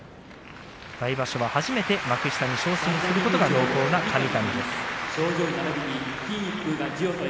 来場所は初めて幕下に昇進することが濃厚な神谷です。